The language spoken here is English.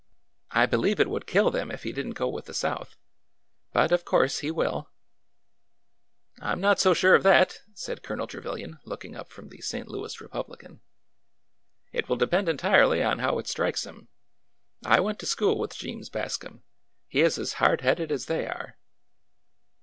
I believe it would kill them 176 ORDER NO. 11 if he did n't go with the South. But, of course, he will." I am not so sure of that," said Colonel Trevilian, looking up from the St. Louis Republican." " It will depend entirely on how it strikes him. I went to school with Jeems Bascom. He is as hard headed as they are."